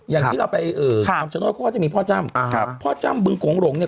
อย่างที่เราไปเอ่อชะโน้ยเขาก็จะมีพ่อจ้ำพ่อจ้ำบึงโขงหลงเนี้ย